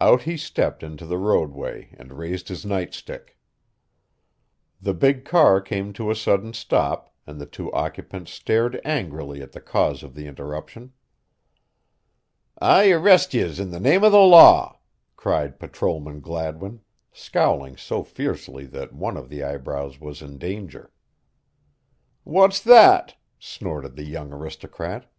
Out he stepped into the roadway and raised his nightstick. The big car came to a sudden stop and the two occupants stared angrily at the cause of the interruption. "I arrest yez in the name o' the law," cried Patrolman Gladwin, scowling so fiercely that one of the eyebrows was in danger. "What's that?" snorted the young aristocrat.